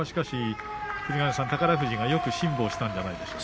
宝富士がよく辛抱したんじゃないですか。